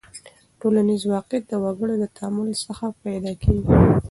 ټولنیز واقعیت د وګړو له تعامل څخه پیدا کېږي.